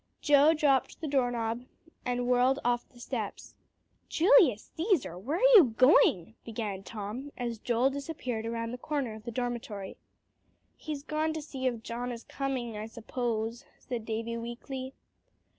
Joe dropped the doorknob, and whirled off the steps. "Julius Cæsar! where are you going?" began Tom, as Joel disappeared around the corner of the dormitory. "He's gone to see if John is coming, I suppose," said Davie weakly.